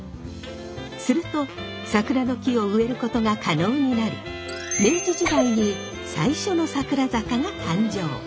すると桜の木を植えることが可能になり明治時代に最初の桜坂が誕生。